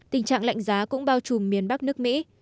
tình trạng lạnh giá cũng bao trùm miền bắc nước mỹ